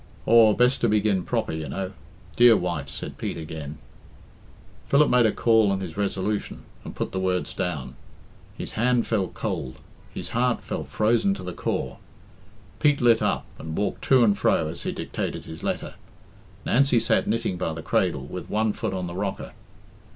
"Aw, best to begin proper, you know. 'Dear wife,'" said Pete again. Philip made a call on his resolution, and put the words down. His hand felt cold; his heart felt frozen to the core. Pete lit up, and walked to and fro as he dictated his letter. Nancy sat knitting by the cradle, with one foot on the rocker.